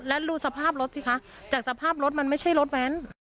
แล้วดูสภาพรถสิคะจากสภาพรถมันไม่ใช่รถแว้น